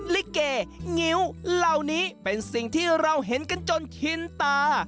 ลิเกงิ้วเหล่านี้เป็นสิ่งที่เราเห็นกันจนชินตา